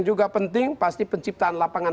juga penting pasti penciptaan lapangan